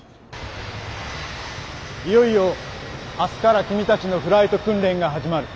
いよいよ明日から君たちのフライト訓練が始まる。